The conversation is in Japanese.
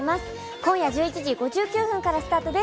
今夜１１時５９分からスタートです。